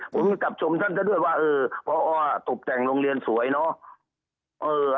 ผมกลับชมท่านซะด้วยว่าเออพอตกแต่งโรงเรียนสวยเนอะ